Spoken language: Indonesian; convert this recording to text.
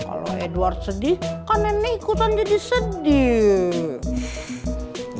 kalau edward sedih kan nenek ikutan jadi sedih